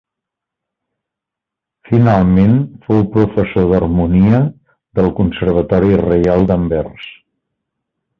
Finalment fou professor d'harmonia del Conservatori reial d'Anvers.